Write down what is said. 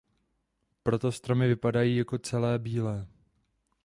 Proto stromy vypadají jako celé bílé.